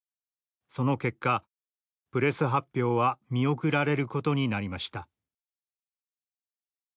その結果プレス発表は見送られることになりました」。